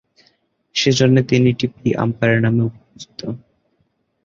সেজন্যে তিনি TV umpire নামেও পরিচিত।